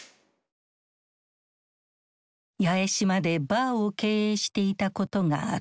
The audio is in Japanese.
八重島でバーを経営していたことがある。